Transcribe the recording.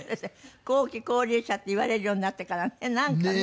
「後期高齢者」っていわれるようになってからねなんかね。